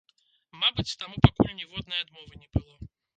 Мабыць, таму пакуль ніводнай адмовы не было.